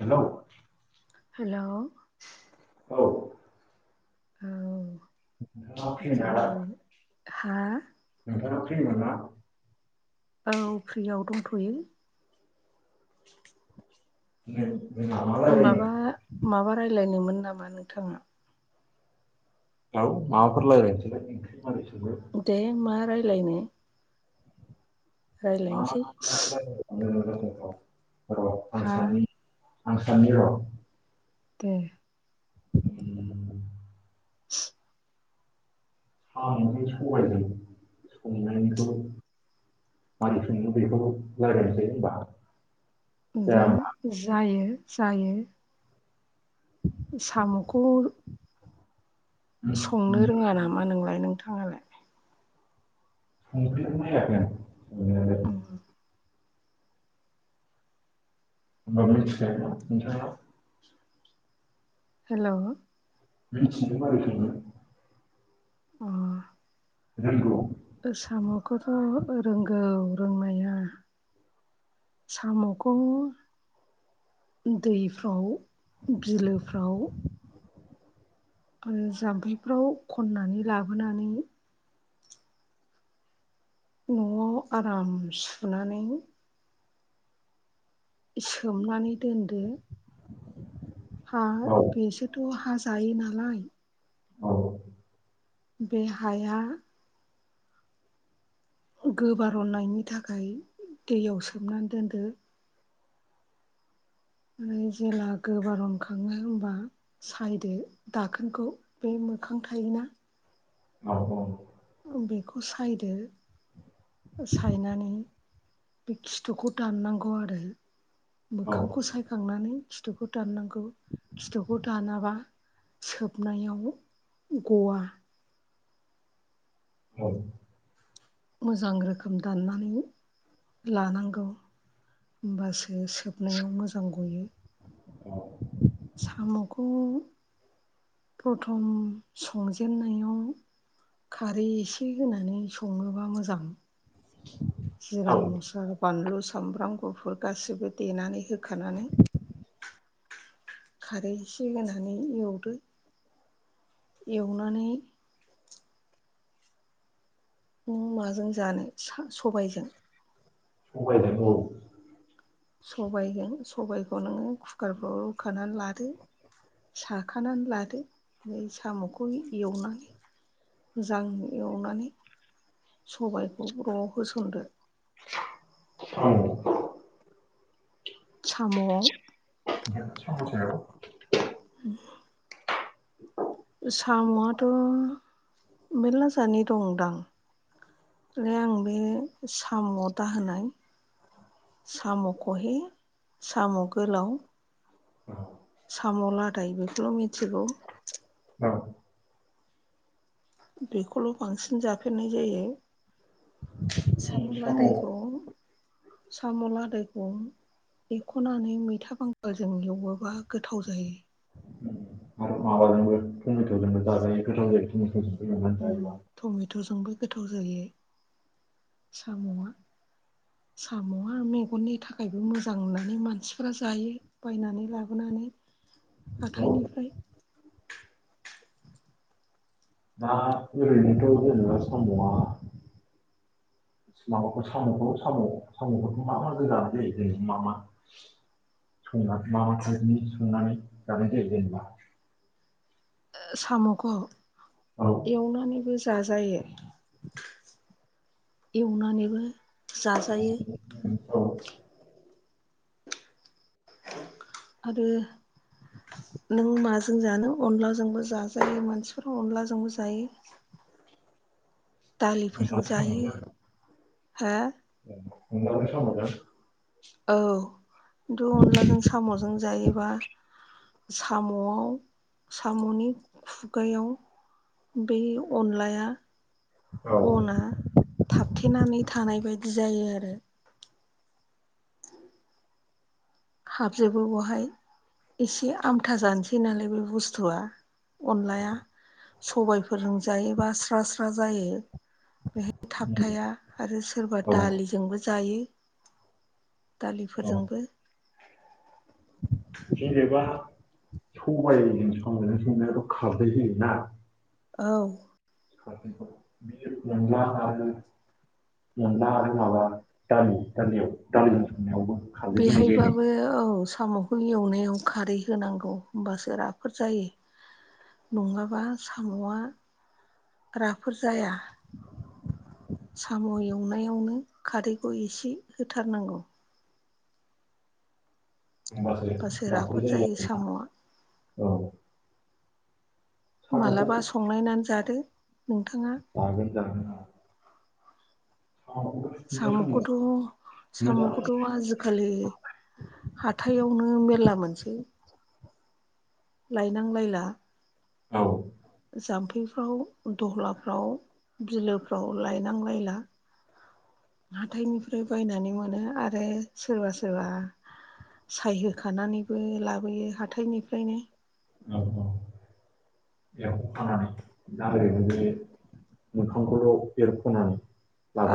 Hello hello औ औ बिदिनो [unintelligible] हा नोंथाङा फ्रि मोन‌ना औ फ्रियाव दंथ'यो [unintelligible] रायलायनो माबा माबा रायलायनोमोन नामा नोंथाङा औ माबाफोर रायलायनोसै दे मा रायलायनो [unintelligible] रायलायनोसै र' आं हा साननि आं साननि र' दे उम [inaudible] साम'नि सबायजों संनायनिखौ मादि संङो बेखौनो रायलायनोसै होमबा जाया दे जायो जायो साम'खौ संनो रोङा नामा नोंलाय नोंथाङालाय संफेरबायाखै आं संनायालाय अम माबादि मोनथिखायोना नोंथां आ हेलौ मिथिगो मारै संङो अ रोंगौ ओ सामखौथ' रोंगौ रोंनाया साम'खौ दैफ्राव बिलोफ्राव आरो जाम्फैफ्राव खननानै लाबोनानै न'आव आराम सुनानै सोमनानै दोनदो हा औ बेसोथ' हा जायो नालाय औ बे हाया गोबारननायनि थाखाय दैयाव सोमनानै दोनदो ओमफ्राय जेला गोबोरन खाङो होमबा सायदो दाखोनखौ बे मोखां थायोना औ औ बेखौ सायदो सायनानै बे खिथुखौ दाननांगौ आरो औ मोखांखौ सायखांनानै खिथुखौ दाननांगौ खिथुखौ दानाबा सोबनायाव गवा औ मोजां रोखोम दाननानै लानांगौ। ओमबासो सोबनायाव मोजां गयो। साम'खौ प्रथम संजेेननायाव खारै एसे होनानै सङोबा मोजां। जिरा मस्ला आरो बानलु सामब्राम गुफुर गासैबो देनानै होखानानै खारै एसे होनानै एवदो। एवनानै नों माजों जानो सा सबायजों? सबायजों औ। सबायजों सबायखौ नोङो कुकारफ्राव रुखानानै लादो। साखानानै लादो [unintelligible] साम'खौ एवनानै। मोजां एवनानै। सबायखौ [unintelligible] होसनदो। औ [inaudible] साम'आव। बिस [inaudible] आरो [inaudible] साम'आथ' मेरला जादनि दं दां। [unintelligible] आं बे साम'आव दाहोनाय। साम' खहे साम' गोलाव। औ। साम' लादाय बेखौल' मिथिगौ। औ। बेखौल' बांसिन जाफेरनाय जायो। साम' लादायखौ साम' लादायखौ एरख'नानै मैथा बांगालजों एवोबा गोथाव जायो। माबाजोंबो तमेट'जोंबो जाजायो गोथाव जायो तमेट'जोंबो एवना उम जायोबा। टमेट'जोंबो गोथाव जायो साम'आ। साम'आ मेगननि थाखायबो मोजां नानै मानसिफ्रा जायो बायनानै लाबोना नै हाथायनिफ्राय। ना ओरैनोथ' [unintelligible] साम'वा। [inaudible] माबाखौ साम'खौ साम' साम'फोरखौ मा-मा [unintelligible] मा मा? [unintelligible] मा टाइपनि संनानै जानाय जेनेबा? साम'खौ एवनानैबो जाजायो एवनानैबो जाजायो। औ। आरो नों माजों जानो अनलाजोंबो जाजायो मानसिफोरा अनलाजोंबो जायो। [inaudible] दालिफोरजों जायो हा न गोसे मजा [inaudible] औ खिन्थु अनलाजों साम'जों जायोबा साम'आव साम'नि खुगायाव बे अनलाया अना थाबथेनानै थानाय बायदि जायो आरो। हाबजोबो बवहाय। एसे आमथा जानोसै नालाय बे बुस्थुआ अनलाया सबायफोरजों जायो बा स्रा स्रा जायो बेहाय। थाबथाया आरो सोरबा दालिजोंबो जायो। दालिफोरजोंबो जेबा सबायाइजों संनाय संनायाथ' खारै होयोना। औ खारैखौ बियो अनला आरो अनला आरो माबा दालि दालियाव दालिजों सनायावबो। बेहायबाबो औ साम'खौ एवनायाव खारै होनांगौ होनोमबासो राफो जायो। नङाबा साम'आ राफोर जाया साम' एवनायावनो खारैखौ एसे होथारनांगौ हबासो होमबासो राफो राफोद जायो आरोना साम'आ औ साम'खौ मालाबा संलायनानै जादो। नोंथाङा जागोन जागोन साम'खौबो सुनाय समाव साम'खौथ' मोजां साम'खौथ' आजिखालि हाथायावनो मेरला मोनसै लायनांलायला औ जाम्फैफ्राव दहलाफ्राव बिलोफ्राव लायनांलायला हाथायनिफ्राय बायनानै मोनो आरो सोरबा सोरबा सायहो होखानानैबो लाबोयो हाथायनिफ्रायनो एखानानै दा ओरैबाय बे मोखांखौल' एरख'नानै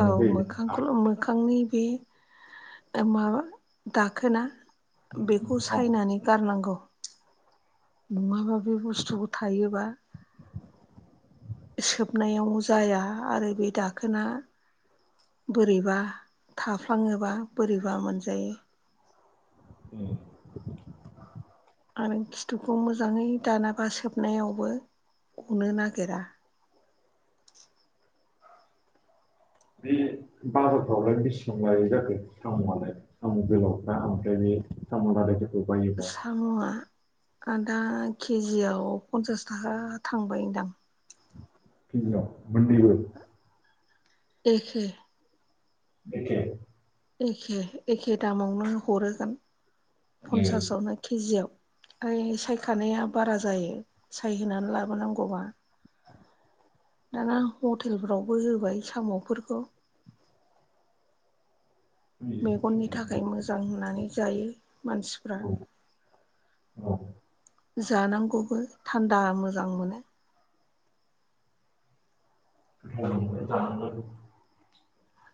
औ जायो मोखांखौल' मोखां बे माबा दाखोना बेखौ सायनानै गारनांगौ नङाबा बे बुस्थुखौ थायोबा सोबनायाव जाया आरो बे दाखोना बोरैबा थाफ्लाङोबा बोरैबा मोनजायो [unintelligible] आरो खिथुखौ मोजाङै दानाबा सोबनायावबो अनो नागिरा बे बाजारफ्रावलाय बेसेबां लायो जाखो सामआलाय साम गोलाव्रा ओमफ्राय बे [unintelligible] साम'आ दा केजियाव पन्सास थाखा थांबाय होनदां केजियाव मोननैबो एखे बेखे एखे एखे दामावनो हरोगोन ए पन्सासआवनो केजियाव ओइ सायखानाया बारा जायो सायहोनानै लाबोनांगौबा दाना हटेलफोरावबो होबाय साम'फोरखौ मेगननि थाखाय मोजां होननानै जायो मानसिफ्रा औ औ जानांगौबो थान्दा मोजां मोनो ओ जानांगौ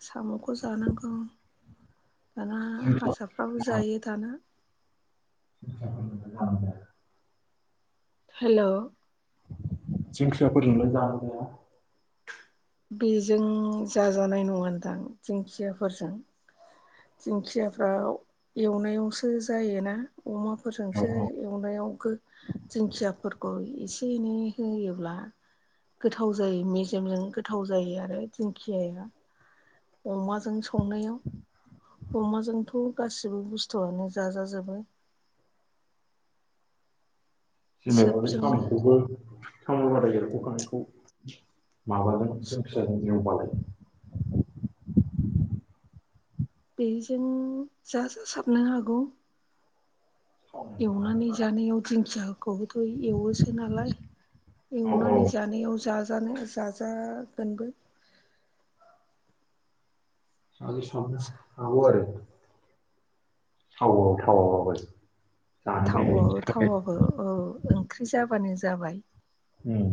साम'खौ जानांगौ दाना हारसाफ्राबो जायो दाना [inaudible] हेलौ। जिंखियाफोरजोंलाय जानो जाया? बेजों जाजानाय नङान दां दिंखियाफोरजों दिंखियाफ्राव एवनायावसो जायोना। औ अमाफोरजोंसो औ एवनायाव दिंखियाफोरखौ एसे ए एनै होयोब्ला गोथाव जायो मेजेमजों गोथाव जायो आरो दिंखियाया। अमाजों संनायाव अमाजोंथ' गासिबो बुस्थुआनो जाजाजोबो। जेनेबा बे सोबजोंनो साम'खौबो साम लादाय एरख खानायखौ माबाजों जों फिसाजों एवबालाय। बेजों जा जा साबनो हागौ। साम' एवनानै जानायाव दिंखिया खौबोथ' एवोसो नालाय औ औ एवनानै जानायाव जा जानाय जाजागोनबो। आलिसाबना हागौ आरो। थावाव थावाव होबाय। थावबो थावाबबो औ ओंख्रि जाबानो जाबाय। उम।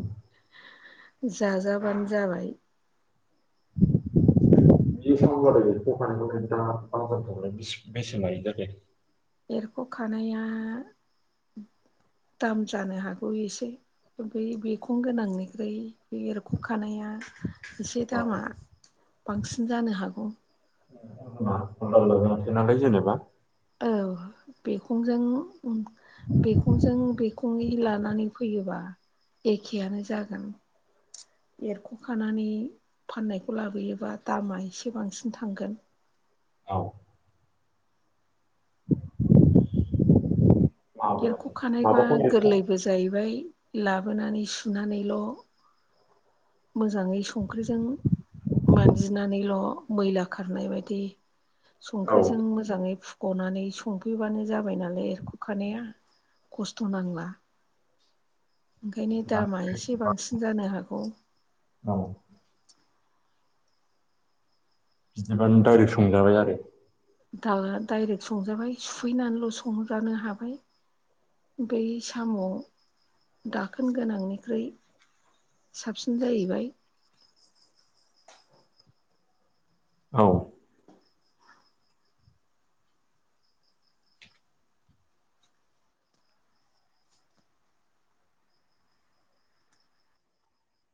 जाजाबानो जाबाय। बे साम लादाय एरख खानायखौलाय बिथाङा बाजारफ्रावलाय बेसे लायो जाखो एरख'खानाया दाम जानो हागौ एसे फ्राय बिखं गोनांनिख्रइ बे एरख' खानाया एसे औ दामा बांसिन जानो हागौ। [unintelligible] नानै जेनेबा औ बिखुंजों बिखुंजों बिखुंनि लानानै फै फैयोबा एखेयानो जागोन। एरख'खानानै फाननायखौ लाबोयोबा दामा एसे बांसिन थांगोन। औ। माबायानो एरख'खानायबा माबाखौ एरख' औ गोरलैबो जाहैबाय। लाबोनानै सुनानैल' मोजाङै संख्रिजों मानजिनानैल' मैला खारनाय बायदि संख्रिजों मोजाङै फु गनानै संफैबानो जाबाय नालाय एरख'खानाया खस्थ' नांला। ओंखायनो दामा एसे बिदिबानो बांसिन जानो हागौ। औ बिदिबा नों डाइरेक्ट संजाबाय आरो। दाला डायरेक्ट संजाबाय सुफैनानैल' संजानो हाबाय। बै साम' दाखोन गोनांनिख्रुइ साबसिन जाहैबाय। औ।